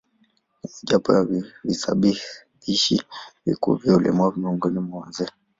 Ni mojawapo ya visababishi vikuu vya ulemavu miongoni mwa wazee.